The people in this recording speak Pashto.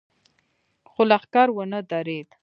خو لښکر ونه درېد.